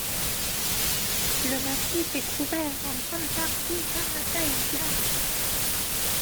Le massif est couvert en grande partie par la taïga.